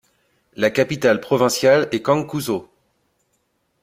La capitale provinciale est Cankuzo.